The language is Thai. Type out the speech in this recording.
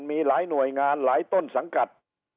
มีหลายหน่วยงานหลายต้นสังกัด